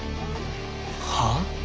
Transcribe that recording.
はあ？